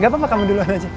gapapa kamu duluan aja